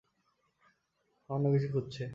অন্য কিছু খুঁজছে?